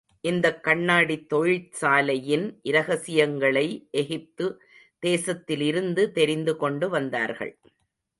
இந்தக் கண்ணாடித் தொழிற்சாலையின் இரகசியங்களை எகிப்து தேசத்திலிருந்து தெரிந்துகொண்டு வந்தார்கள்.